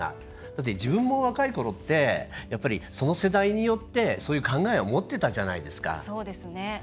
だって、自分も若いころってその世代によってそういう考えを持ってたじゃないですか。